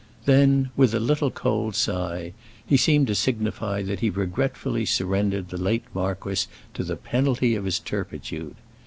Then, with a little cold sigh, he seemed to signify that he regretfully surrendered the late marquis to the penalty of his turpitude.